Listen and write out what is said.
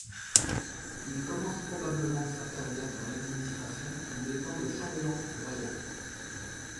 Il commence probablement sa carrière dans l'administration en étant le chambellan royal.